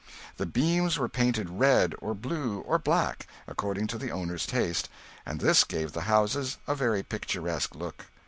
The beams were painted red or blue or black, according to the owner's taste, and this gave the houses a very picturesque look.